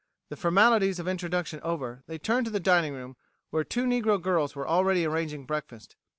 The formalities of introduction over, they turned to the dining room, where two negro girls were already arranging breakfast.